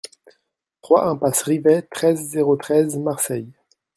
trois impasse Rivet, treize, zéro treize, Marseille